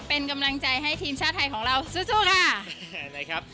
เป็นกำลังใจให้ทีมชาติไทยของเราสู้ค่ะนะครับ